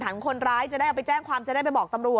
มันกลับมาที่สุดท้ายแล้วมันกลับมาที่สุดท้ายแล้ว